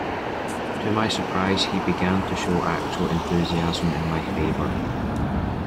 To my surprise he began to show actual enthusiasm in my favor.